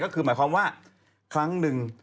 ก็คือหมายความว่าครั้งหนึ่ง